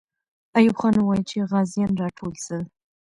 ایوب خان وویل چې غازیان راټول سي.